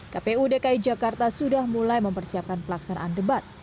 kpu dki jakarta sudah mulai mempersiapkan pelaksanaan debat